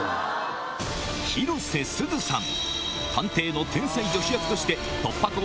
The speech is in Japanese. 広瀬すずさん